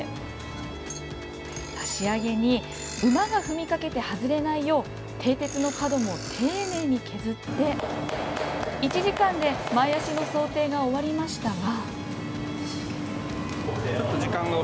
仕上げに馬が踏みかけて外れないよう蹄鉄の角も丁寧に削って１時間で、前脚の装蹄が終わりましたが。